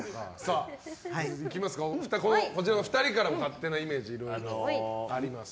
こちらのお二人からも勝手なイメージあります。